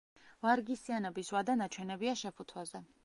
ვარგისიანობის ვადა ნაჩვენებია შეფუთვაზე.